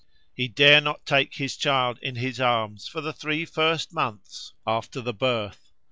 He dare not take his child in his arms for the three first months after the birth.